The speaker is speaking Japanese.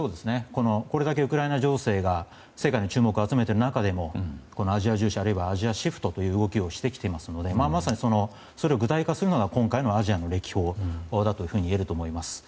これだけウクライナ情勢が世界の注目を集めている中でのアジア重視、アジアシフトという動きをしてきていますのでまさに、それを具体化するのが今回のアジア歴訪だといえると思います。